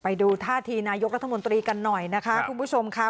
ไปดูท่าทีนายกรัฐมนตรีกันหน่อยนะคะคุณผู้ชมค่ะ